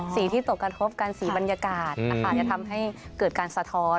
ที่ตกกระทบกันสีบรรยากาศจะทำให้เกิดการสะท้อน